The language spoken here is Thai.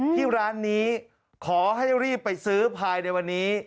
ที่ร้านนี้ขอให้รีบไปซื้อภายในวันนี้